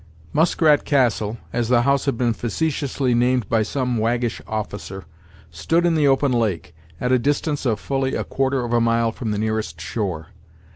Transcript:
Muskrat Castle, as the house had been facetiously named by some waggish officer, stood in the open lake, at a distance of fully a quarter of a mile from the nearest shore.